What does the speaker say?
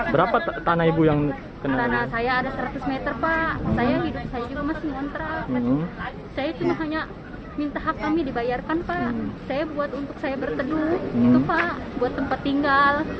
berapa tanah ibu yang kena